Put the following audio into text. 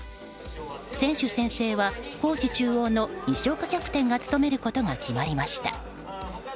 選手宣誓は高知中央の西岡キャプテンが務めることが決まりました。